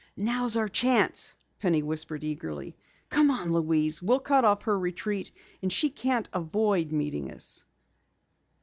"Now's our chance!" Penny whispered eagerly. "Come on, Louise, we'll cut off her retreat and she can't avoid meeting us!"